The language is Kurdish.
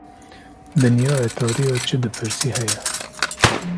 Dinya etariye çi dipirsî heye